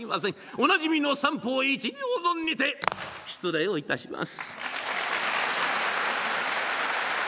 おなじみの「三方一両損」にて失礼をいたします。